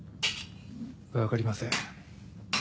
分かりません。